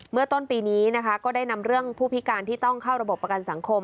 เมื่อต้นปีนี้นะคะก็ได้นำเรื่องผู้พิการที่ต้องเข้าระบบประกันสังคม